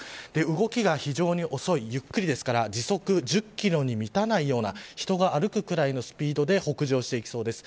動きが非常に遅いゆっくりですから時速１０キロに満たないような人が歩くくらいのスピードで北上していきそうです。